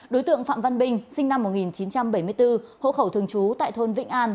đối tượng phạm văn bình sinh năm một nghìn chín trăm bảy mươi bốn hộ khẩu thường trú tại thôn vĩnh an